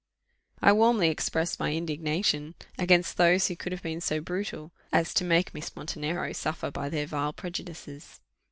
I warmly expressed my indignation against those who could have been so brutal as to make Miss Montenero suffer by their vile prejudices.